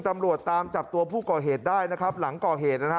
ตำรวจตามจับตัวผู้ก่อเหตุได้นะครับหลังก่อเหตุนะฮะ